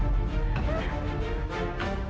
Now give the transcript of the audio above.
aku juga kian santang nek